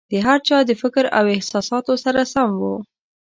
د هر چا د فکر او احساساتو سره سم وو.